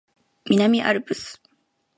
南アルプス